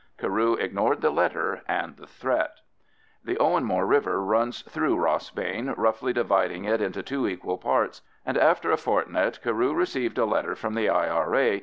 Carew ignored the letter and the threat. The Owenmore river runs through Rossbane, roughly dividing it into two equal parts, and after a fortnight Carew received a letter from the I.R.A.